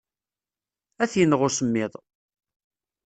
Ad t-ineɣ usemmiḍ.